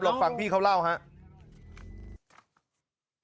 ฟังพี่เขาเล่าครับ